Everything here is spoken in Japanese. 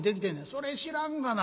「それ知らんがな。